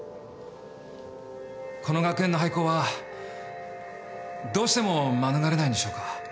この学園の廃校はどうしても免れないんでしょうか？